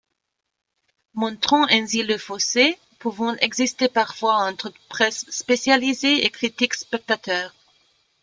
Montrant ainsi le fossé pouvant exister parfois entre presse spécialisée et critiques spectateurs.